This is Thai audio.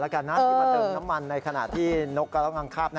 เป็นพันเติมน้ำมันในขณะที่นกกำลังข้าบ